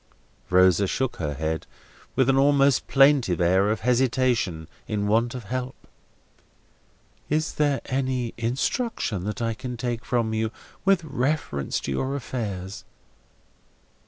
Rosa shook her head, with an almost plaintive air of hesitation in want of help. "Is there any instruction that I can take from you with reference to your affairs?"